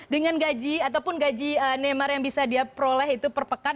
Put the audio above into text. dengan gaji ataupun gaji neymar yang bisa dia peroleh itu per pekan